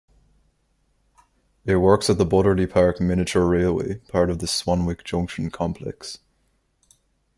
It works at the Butterley Park Miniature Railway, part of the Swanwick Junction complex.